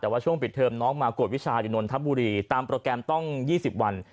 แต่ว่าช่วงปิดเทอมน้องมากวดวิชาอยู่นนทบุรีตามโปรแกรมต้อง๒๐วัน